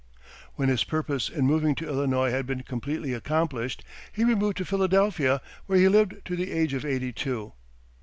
When his purpose in moving to Illinois had been completely accomplished, he removed to Philadelphia, where he lived to the age of eighty two.